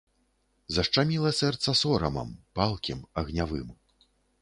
Зашчаміла сэрца сорамам, палкім, агнявым.